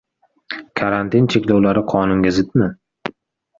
Karantin cheklovlari qonunga zidmi?